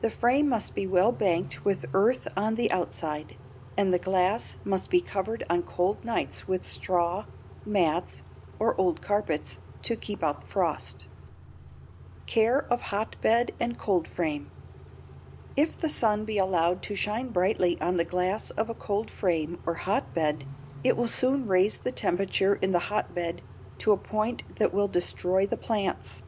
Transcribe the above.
The frame must be well banked with earth on the outside, and the glass must be covered on cold nights with straw, mats, or old carpets to keep out frost. [Illustration: FIG. 85. FRAME TO CARRY THE SASH OF A HOTBED OR COLD FRAME] =Care of Hotbed and Cold Frame.= If the sun be allowed to shine brightly on the glass of a cold frame or hotbed, it will soon raise the temperature in the hotbed to a point that will destroy the plants.